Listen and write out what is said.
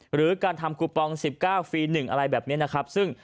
หรือการทำกุปปอง๑๙ฟรี๑อะไรแบบเนี้ยซึ่ง